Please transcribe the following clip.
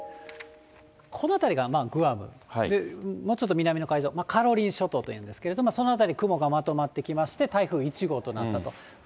この辺りがグアム、もうちょっと南の海上、カロリー諸島といいますけれども、その辺り、雲がまとまってきまして、台風１号となったと。